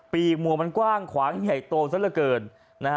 ปีมัวมันกว้างควั้งใหญ่โตซะเยอะเกิน